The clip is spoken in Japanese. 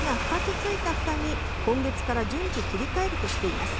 代わりに開け口が２つついたふたに今月から順次切り替えるとしています。